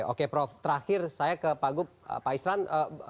oke prof terakhir saya ke pak gup pak isran